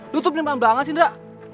lu tuh penyemang banget sih ndra